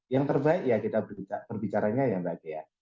yang terbaik ya kita berbicara yang baik ya